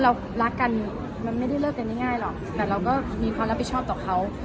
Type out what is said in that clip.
เพราะเรารักกันมันไม่ได้เลิกได้ง่ายหรอกแต่เราก็มีความรับประชาติต่อเขา